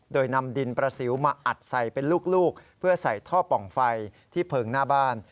โดยนำดินประสิวมาอัดใส่เป็นลูกเพื่อใส่ท่อป่องไฟที่เพลิงหน้าบ้าน